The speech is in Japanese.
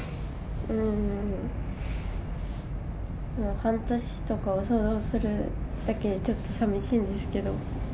半年とかを想像するだけで、ちょっとさみしいんですけど。